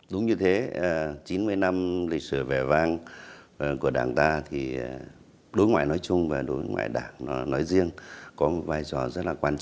đúng như thế chín mươi năm lịch sử vẻ vang của đảng ta thì đối ngoại nói chung và đối ngoại đảng nói riêng